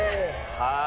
はい。